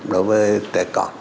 đối với trẻ con